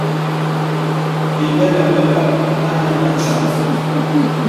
Ìbɛlə mə lɔ̀k mə alɛn â nzàl.